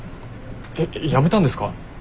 えっ辞めたんですか？